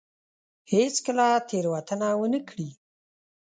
هېڅ کله تېروتنه ونه کړي.